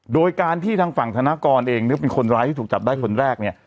โดยการที่ทางฝั่งธนกรเองนึกว่าเป็นคนร้ายที่ถูกจับได้คนแรกเนี่ย